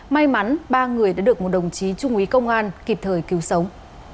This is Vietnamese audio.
may mắn ba người đã được một đồng chí trung úy công an kịp thời cứu sống